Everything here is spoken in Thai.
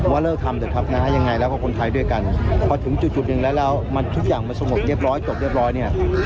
เลิกทำเถอะครับนะยังไงแล้วก็คนไทยด้วยกันพอถึงจุดหนึ่งแล้วแล้วมันทุกอย่างมันสงบเรียบร้อยจบเรียบร้อยเนี่ย